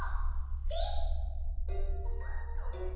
ピッ！